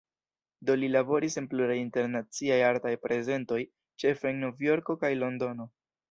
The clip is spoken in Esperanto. Do li laboris en pluraj internaciaj artaj prezentoj, ĉefe en Novjorko kaj Londono.